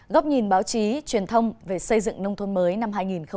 góc nhìn báo chí truyền thông về xây dựng nông thôn mới năm hai nghìn hai mươi